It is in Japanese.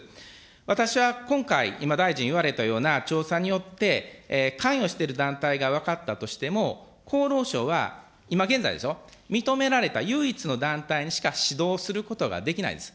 私は今回、今、大臣言われたような調査によって、関与している団体が分かったとしても、厚労省は今現在ですよ、認められた唯一の団体にしか指導することができないです。